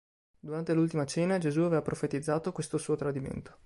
Durante l'Ultima Cena, Gesù aveva profetizzato questo suo tradimento.